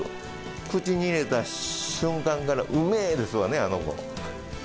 口に入れた瞬間から、うめえですわね、あの子。